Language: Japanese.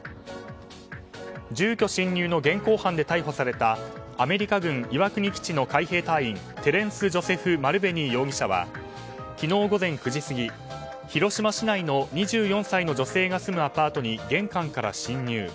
住居侵入の現行犯で逮捕されたアメリカ軍岩国基地の海兵隊員テレンス・ジョセフ・マルヴェニー容疑者は昨日午前９時過ぎ広島市内の２４歳の女性が住むアパートに玄関から侵入。